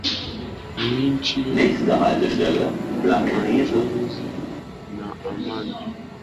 ni nchi yangu pia majonzi na amani imepotea Filamu mpya imeingia sokoni kuhusu bendi